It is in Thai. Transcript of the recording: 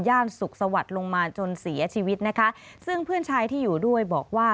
สุขสวัสดิ์ลงมาจนเสียชีวิตนะคะซึ่งเพื่อนชายที่อยู่ด้วยบอกว่า